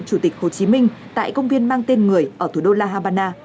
chủ tịch hồ chí minh tại công viên mang tên người ở thủ đô la habana